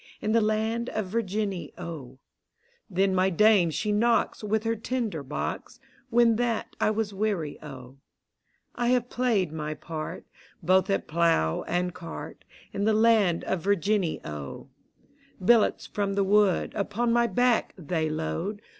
In the land of Virginny, O: Then my Dame she knocks With her tinder box. When that I was weary, O. I have played my part Both at Plow and Cart, In the land of Virginny, O: Billats from the VV^ood, Uf)on my back they load.